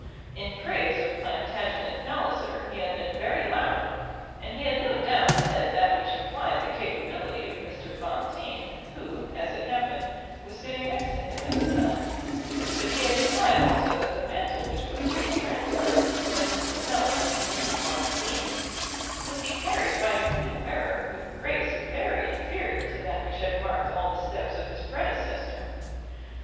In praise of Plantagenet Palliser he had been very loud, and he had no doubt said that which implied the capability of Mr. Bonteen, who, as it happened, was sitting next to him at the time; but he had implied also that the mantle which was to be transferred from Mr. Palliser to Mr. Bonteen would be carried by its new wearer with grace very inferior to that which had marked all the steps of his predecessor.